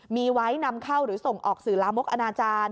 มีไว้นำเข้าหรือส่งออกสื่อลามกอนาจารย์